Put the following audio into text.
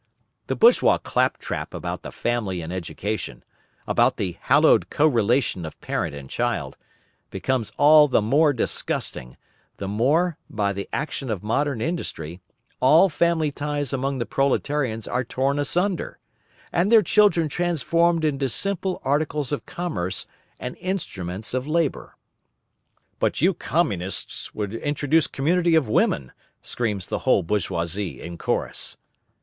The bourgeois clap trap about the family and education, about the hallowed co relation of parent and child, becomes all the more disgusting, the more, by the action of Modern Industry, all family ties among the proletarians are torn asunder, and their children transformed into simple articles of commerce and instruments of labour. But you Communists would introduce community of women, screams the whole bourgeoisie in chorus.